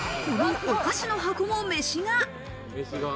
このお菓子の箱も、めし画。